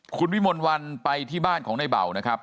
คุณวิมลวันไปที่บ้านของในเบานะครับ